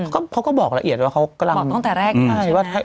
เขาก็บอกละเอียดว่าเขากำลังบอกตั้งแต่แรก